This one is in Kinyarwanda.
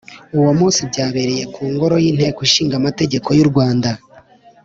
uwo munsi byabereye mu Ngoro y Inteko Ishinga Amategeko y u Rwanda